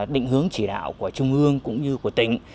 định hướng chỉ đạo của trung ương cũng như của tỉnh